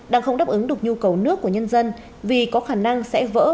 đang không đáp ứng được nhu cầu nước của nhân dân vì có khả năng sẽ vỡ